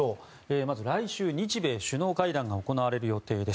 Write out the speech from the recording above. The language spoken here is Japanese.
まず来週、日米首脳会談が行われる予定です。